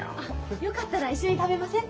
よかったら一緒に食べません？